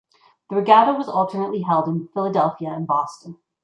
The regatta was alternately held in Philadelphia and Boston.